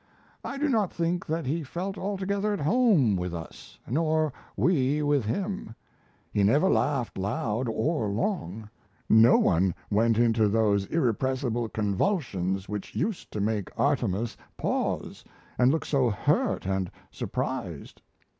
I do not think that he felt altogether at home with us, nor we with him. We never laughed loud or long; no one went into those irrepressible convulsions which used to make Artemus pause and look so hurt and surprised.